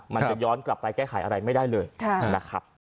มันจะย้อนกลับไปแก้ไขอะไรไม่ได้เลยนะครับ